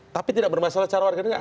tapi tidak bermasalah cara warga negara